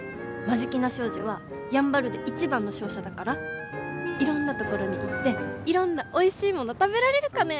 眞境名商事はやんばるで一番の商社だからいろんなところに行っていろんなおいしいもの食べられるかね。